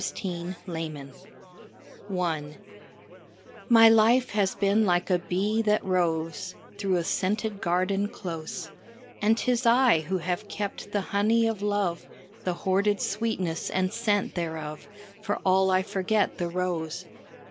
LOVELACE GROWN OLD I My life has been like a bee that roves Through a scented garden close, And 'tis I who have kept the honey of love, The hoarded sweetness and scent thereof, For all I forget the rose.